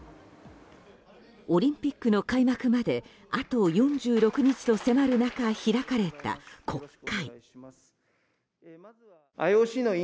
オリンピックの開幕まであと４６日と迫る中開かれた国会。